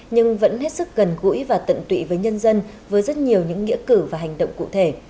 nhưng vẫn hết sức gần gũi và tận tụy với nhân dân với rất nhiều những nghĩa cử và hành động cụ thể